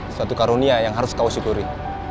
suatu karunia yang harus kau syukuri